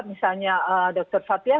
misalnya dr fathia